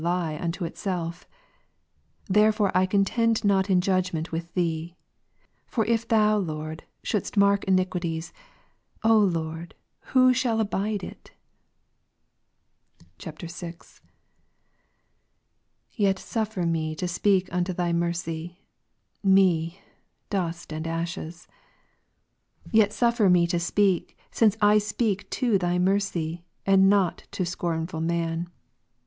l3of foi'e I contend not in judgment with Thee; for if Thou, 3 Lord, shouldest mark iniquities, Lord, who shall abide it ? [VI.] 7. Yet suffer meto speak unto Thy mercy, me, f/?«5/ and Gen. 18, ashes. Yet suffer me to speak, since I speak to Thy mercy, and not to scornful man.